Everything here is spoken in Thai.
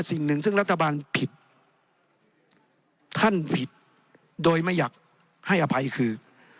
สิ่งหนึ่งซึ่งรัฐบาลผิดท่านผิดโดยไม่อยากให้อภัยคือ